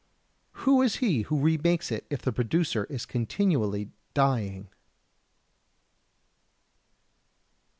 Who is he who remakes it if the producer is continually dying?